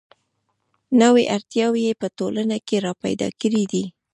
نوې اړتیاوې یې په ټولنه کې را پیدا کړې دي.